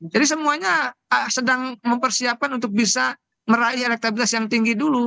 jadi semuanya sedang mempersiapkan untuk bisa meraih elektriktas yang tinggi dulu